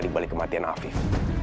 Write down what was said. di balik kematian afid